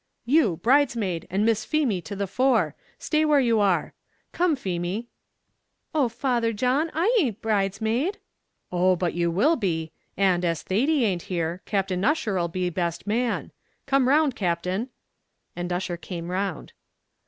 "You, bridesmaid, and Miss Feemy to the fore! stay where you are. Come, Feemy." "Oh! Father John, I a'nt bridesmaid." "Oh! but you will be; and, as Thady a'nt here, Captain Ussher 'll be best man; come round, Captain," and Ussher came round.